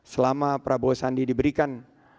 selama prabowo sandi diberikan